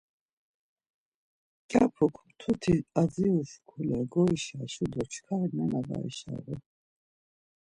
Mǩyapus mtuti adziru şkule goişaşu do çkar nena var eşağu.